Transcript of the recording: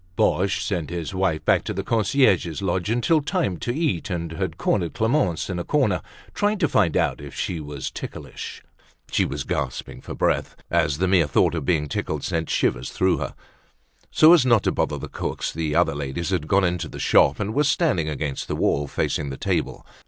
Boche sent his wife back to the concierge's lodge until time to eat and had cornered Clemence in a corner trying to find out if she was ticklish. She was gasping for breath, as the mere thought of being tickled sent shivers through her. So as not to bother the cooks, the other ladies had gone into the shop and were standing against the wall facing the table.